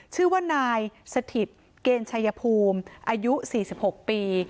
ชื่อว่านายสถิตเกณฑ์ชายภูมิอายุ๔๖ปี